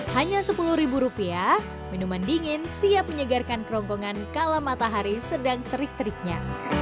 hanya sepuluh ribu rupiah minuman dingin siap menyegarkan kerongkongan kala matahari sedang terik teriknya